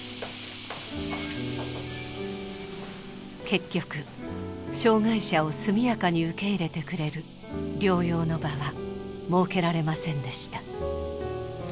結局障害者を速やかに受け入れてくれる療養の場は設けられませんでした。